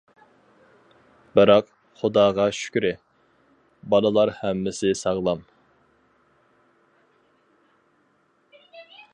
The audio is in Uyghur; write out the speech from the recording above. «بىراق، خۇداغا شۈكرى، بالىلار ھەممىسى ساغلام» .